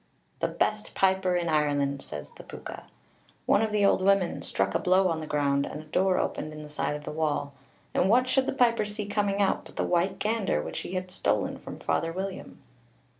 "The best piper in Ireland," says the Púca. One of the old women struck a blow on the ground, and a door opened in the side of the wall, and what should the piper see coming out but the white gander which he had stolen from Father William.